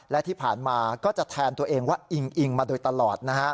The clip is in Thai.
และที่ผ่านมาก็จะแทนตัวเองว่าอิงอิงมาโดยตลอดนะฮะ